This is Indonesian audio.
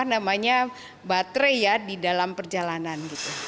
kita ingin orang itu nyaman gak khawatir kehabisan baterai di dalam perjalanan